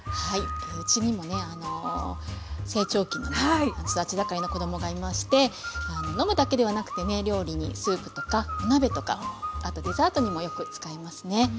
うちにもね成長期の育ち盛りの子供がいまして飲むだけではなくてね料理にスープとかお鍋とかあとデザートにもよく使いますね。